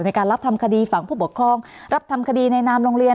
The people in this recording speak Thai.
ในการรับทำคดีฝั่งผู้ปกครองรับทำคดีในนามโรงเรียน